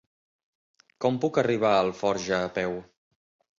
Com puc arribar a Alforja a peu?